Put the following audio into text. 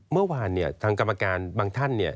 เมื่อวานเนี่ยทางกรรมการบางท่านเนี่ย